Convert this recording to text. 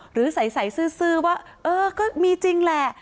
หรือใสซื้อว่าเออก็มีจริงแหละ